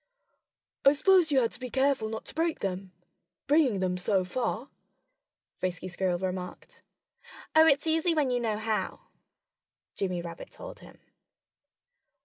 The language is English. "I suppose you had to be careful not to break them bringing them so far," Frisky Squirrel remarked. "Oh, it's easy when you know how," Jimmy Rabbit told him.